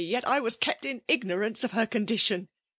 ^r^yei I was k^pt in ignooance, i£ her condition